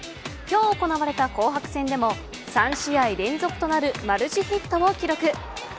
今日行われた紅白戦でも３試合連続となるマルチヒットを記録。